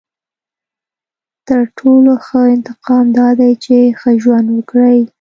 • تر ټولو ښه انتقام دا دی چې ښه ژوند وکړې.